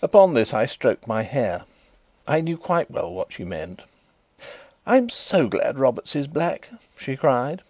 Upon this I stroked my hair: I knew quite well what she meant. "I'm so glad Robert's is black!" she cried.